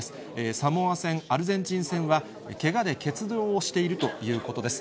サモア戦、アルゼンチン戦はけがで欠場をしているということです。